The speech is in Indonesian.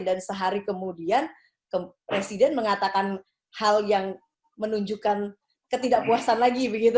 dan sehari kemudian presiden mengatakan hal yang menunjukkan ketidakpuasan lagi